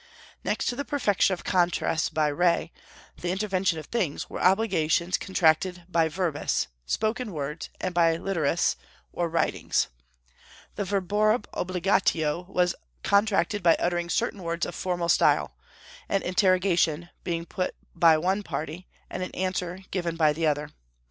Next to the perfection of contracts by re, the intervention of things, were obligations contracted by verbis, spoken words, and by literis, or writings. The verborum obligatio was contracted by uttering certain words of formal style, an interrogation being put by one party, and an answer given by the other.